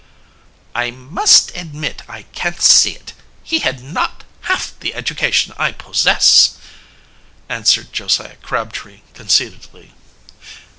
"I must admit I can't see it. He had not half the education I possess," answered Josiah Crabtree conceitedly.